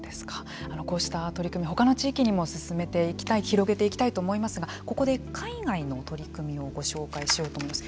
こうした取り組み他の地域にも進めていきたい広げていきたいと思いますがここで海外の取り組みをご紹介しようと思います。